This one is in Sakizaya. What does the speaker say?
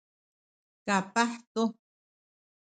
kapah tu